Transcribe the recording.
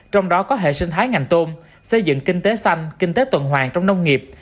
trong đó có hệ sinh thái ngành tôm xây dựng kinh tế xanh kinh tế tuần hoàng trong nông nghiệp